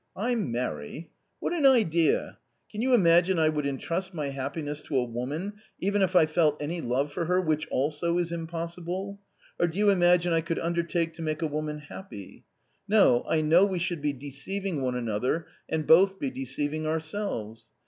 " I marry ! what an idea ? Can you imagine I would entrust my happiness to a woman, even if I felt any love for her, which also is impossible ? Or do you imagine I could undertake to make a woman happy ? No, I know we should be deceiving one another and both be deceiving ourselves.